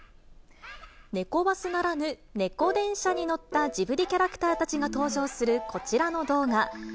ネコバスならぬネコ電車に乗ったジブリキャラクターたちが登場するこちらの動画。